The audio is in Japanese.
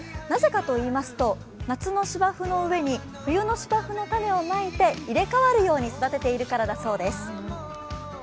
なぜかといいますと、夏の芝生の上に冬の芝生の種をまいて入れ替わるように育てているからだそうです。